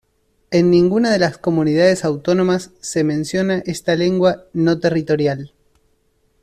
En ninguna de las comunidades autónomas se menciona esta lengua "no territorial".